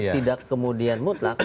tidak kemudian mutlak